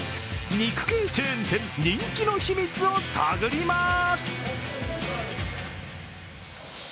肉系チェーン店、人気の秘密を探ります。